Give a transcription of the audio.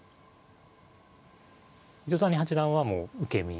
糸谷八段はもう受け身。